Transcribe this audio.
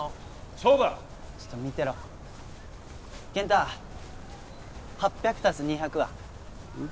そうだちょっと見てろ健太８００＋２００は？んん？